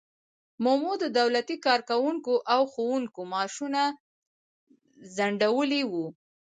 مومو د دولتي کارکوونکو او ښوونکو معاشونه ځنډولي وو.